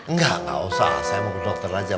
enggak enggak usah saya mau ke dokter aja